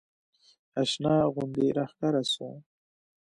اشنا غوندې راښکاره سو.